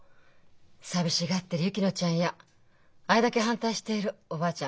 寂しがってる薫乃ちゃんやあれだけ反対しているおばあちゃん